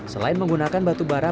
selain menggunakan batubara